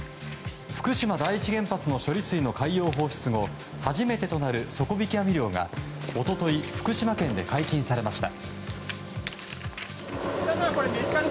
福島第一原発の処理水の海洋放出後初めてとなる底引き網漁が一昨日福島県で解禁されました。